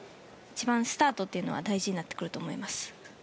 スタートというのが大事になってくると思います。